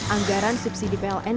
anggaran subsidi pln